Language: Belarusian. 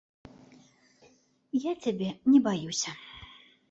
Я цябе не баюся!